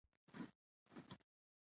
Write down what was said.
اداري اسناد باید د لاسرسي وړ وي.